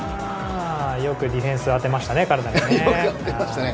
よくディフェンス当てましたね、体に。